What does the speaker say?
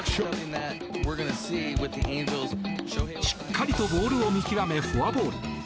しっかりとボールを見極めフォアボール。